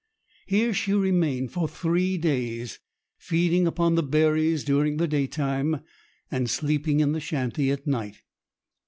Here she remained for three days, feeding upon the berries during the daytime, and sleeping in the shanty at night.